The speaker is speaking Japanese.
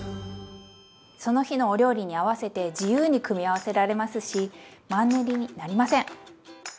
その日のお料理に合わせて自由に組み合わせられますしマンネリになりません！